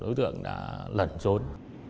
đối tượng đã lẩn trốn